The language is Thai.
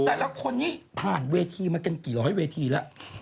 แต่ละคนนี้ผ่านเวทีมากันกี่ร้อยเวทีแล้ว